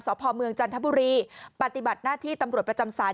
สพเมืองจันทบุรีปฏิบัติหน้าที่ตำรวจประจำศาล